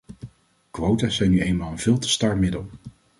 Quota's zijn nu eenmaal een veel te star middel.